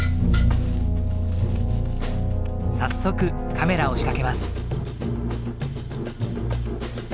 早速カメラを仕掛けます。